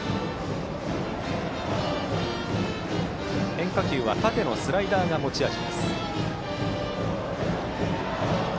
変化球は縦のスライダーが持ち味。